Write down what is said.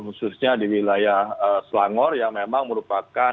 khususnya di wilayah selangor yang memang merupakan